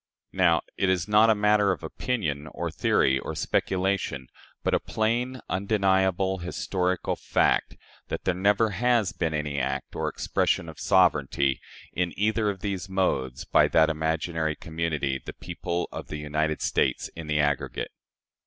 Now, it is not a matter of opinion or theory or speculation, but a plain, undeniable, historical fact, that there never has been any act or expression of sovereignty in either of these modes by that imaginary community, "the people of the United States in the aggregate."